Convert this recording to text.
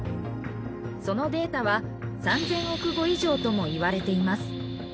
そのデータは、３０００億語以上ともいわれています。